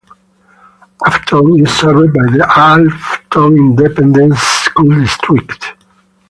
Afton is served by the Afton Independent School District.